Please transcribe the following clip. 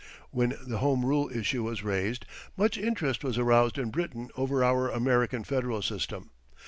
When the Home Rule issue was raised, much interest was aroused in Britain over our American Federal system.